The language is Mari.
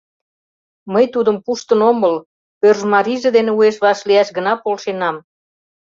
— Мый тудым пуштын омыл, пӧржмарийже дене уэш вашлияш гына полшенам...